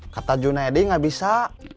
kata junedi nggak bisa